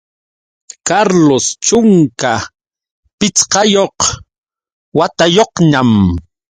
Carlos chunka pichqayuq watayuqñam.